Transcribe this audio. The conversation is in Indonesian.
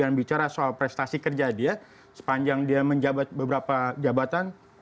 bicara soal prestasi kerja dia sepanjang dia menjabat beberapa jabatan